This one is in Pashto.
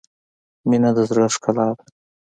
• مینه د زړۀ ښکلا ده.